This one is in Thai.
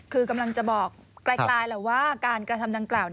คือกำลังจะบอกไกลแหละว่าการกระทำดังกล่าว